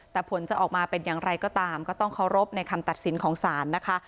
แต่ผลจะออกมาเป็นอย่างไรก็ตามก็ต้องเคารพในคำตัดสินของศาลนะคะ